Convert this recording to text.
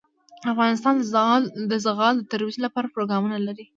افغانستان د زغال د ترویج لپاره پروګرامونه لري.